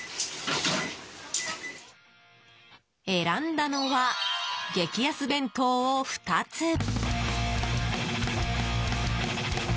選んだのは、激安弁当を２つ。